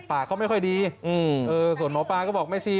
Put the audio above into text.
ปากเขาไม่ค่อยดีส่วนหมอปลาก็บอกแม่ชี